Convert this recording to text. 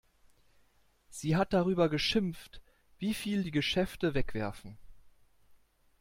Sie hat darüber geschimpft, wie viel die Geschäfte wegwerfen.